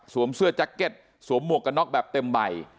เสื้อแจ็คเก็ตสวมหมวกกันน็อกแบบเต็มใบ